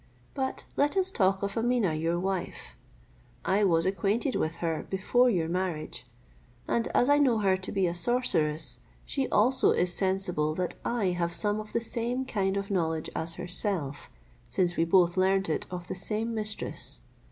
But let us talk of Ameeneh your wife. I was acquainted with her before your marriage; and as I know her to be a sorceress, she also is sensible that I have some of the same kind of knowledge as herself, since we both learnt it of the same mistress.